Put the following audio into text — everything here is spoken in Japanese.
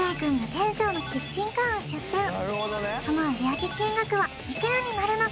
その売上金額はいくらになるのか？